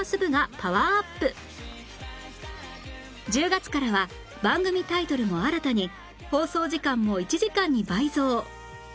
１０月からは番組タイトルも新たに放送時間も１時間に倍増